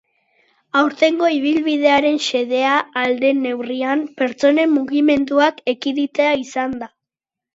Aurtengo ibilbidearen xedea, ahal den neurrian, pertsonen mugimenduak ekiditea izan da.